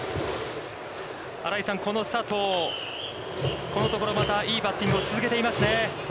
新井さん、この佐藤、このところ、またいいバッティングを続けていますね。